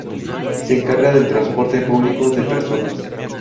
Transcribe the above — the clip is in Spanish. Se encarga del transporte público de personas.